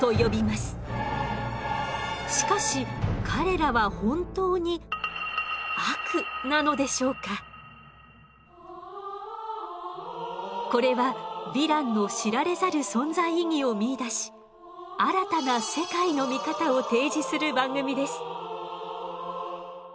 しかし彼らはこれはヴィランの知られざる存在意義を見いだし新たな世界の見方を提示する番組です。